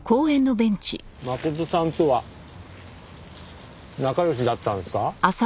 真琴さんとは仲良しだったんですか？